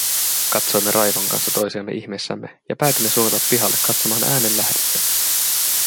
Katsoimme Raivon kanssa toisiamme ihmeissämme ja päätimme suunnata pihalle katsomaan äänen lähdettä.